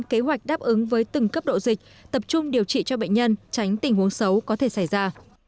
kế hoạch đáp ứng với từng cấp độ dịch tập trung điều trị cho bệnh nhân tránh tình huống xấu có thể xảy ra